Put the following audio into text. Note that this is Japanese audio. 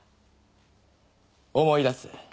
「思い出す。